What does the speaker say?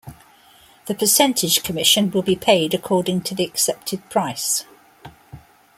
The percentage commission will be paid according to the accepted price.